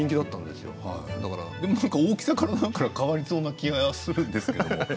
大きさから何から変わりそうな気がするんですけれど。